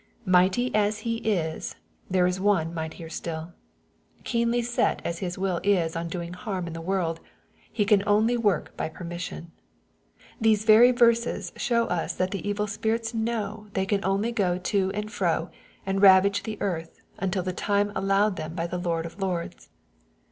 Mighty as he is, there is one mightier stilL Keenly set as his will is on doing harm in the world, he can only work by permission. These very verses show us that the evil spirits know they can only go to and fro, and ravage the earth, until the time allowed them by the Lord of lords.